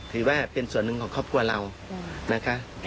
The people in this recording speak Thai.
ถือว่าเป็นส่วนหนึ่งของครอบครัวเรานะคะ